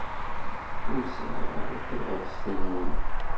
Ur sɛiɣ ara tabɣest-nwen.